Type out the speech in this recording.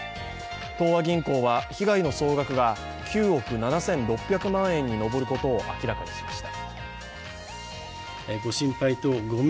東和銀行は被害の総額が９億７６００万円に上ることを明らかにしました。